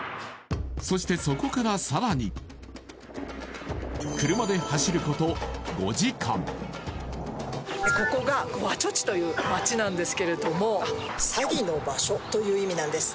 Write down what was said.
そしてそこからさらに車で走ること５時間ここがグアチョチという街なんですけれども鷺の場所という意味なんです